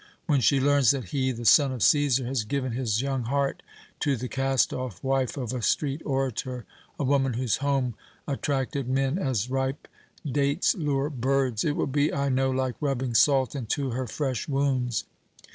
When she learns that he, the son of Cæsar, has given his young heart to the cast off wife of a street orator, a woman whose home attracted men as ripe dates lure birds, it will be I know like rubbing salt into her fresh wounds.